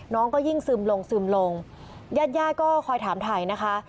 น้องก็ยิ่งซึมลงยาดก็คอยถามถ่ายนะคะ